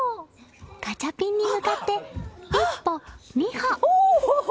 ガチャピンに向かって１歩、２歩。